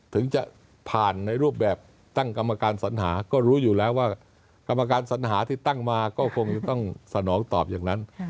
ถึงจะผ่านในรูปแบบตั้งกรรมการสัญหาก็รู้อยู่แล้วว่ากรรมการสัญหาที่ตั้งมาก็คงจะต้องสนองตอบอย่างนั้น